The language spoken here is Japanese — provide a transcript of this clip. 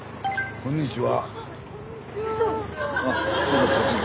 こんにちは。